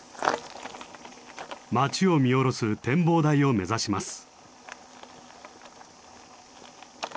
街を見下ろす展望台を目指します。